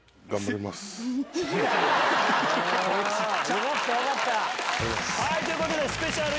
よかったよかった！ということでスペシャル